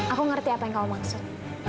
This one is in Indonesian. aku ngerti apa yang kamu maksud